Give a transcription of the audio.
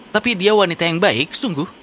tapi dia wanita yang baik sungguh